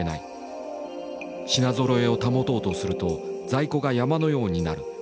品ぞろえを保とうとすると在庫が山のようになる。